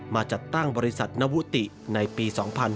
จัดตั้งบริษัทนวุติในปี๒๕๕๙